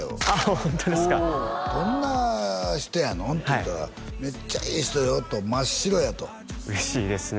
ホントですかどんな人やの？って言ったらめっちゃええ人よと真っ白やと嬉しいですね